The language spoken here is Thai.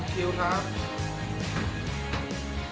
๔๓๒คิวครับ